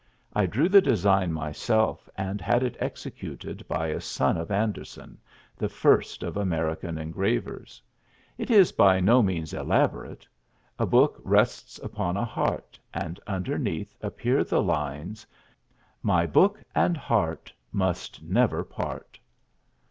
I drew the design myself and had it executed by a son of Anderson, the first of American engravers. It is by no means elaborate: a book rests upon a heart, and underneath appear the lines: My Book and Heart Must never part.